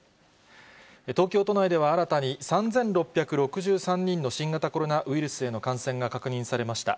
東京都内では新たに３６６３人の新型コロナウイルスへの感染が確認されました。